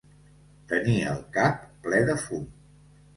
Tenir el cap ple de fum.